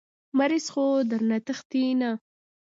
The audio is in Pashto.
مريض خو درنه تښتي نه.